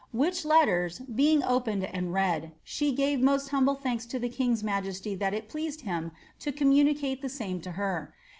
Which letters, being opened and read, she gave most humble thanks to the king^s majesty that it pleased him to com* ffiuoicate the same to her.